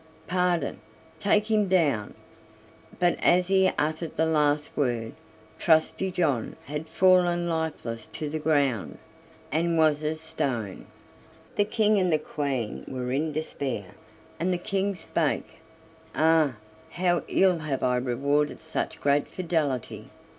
pardon! Take him down." But as he uttered the last word Trusty John had fallen lifeless to the ground, and was a stone. The King and Queen were in despair, and the King spake: "Ah! how ill have I rewarded such great fidelity!"